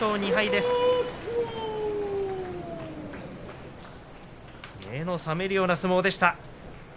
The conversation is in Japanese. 目の覚めるような相撲でした。